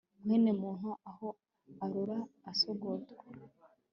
Mwene muntu aho arora asogotwa